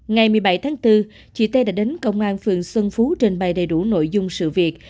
ngày một mươi bảy tháng bốn chị t đã đến công an phương xuân phú trên bài đầy đủ nội dung sự việc